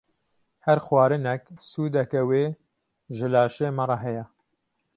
Her xwarinek sûdeke wê ji laşê me re heye.